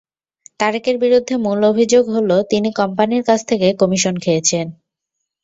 তারেকের বিরুদ্ধে মূল অভিযোগ হলো, তিনি কোম্পানির কাছ থেকে কমিশন খেয়েছেন।